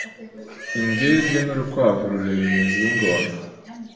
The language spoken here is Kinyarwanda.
imbwebwe nurukwavu rureba imizi yingoma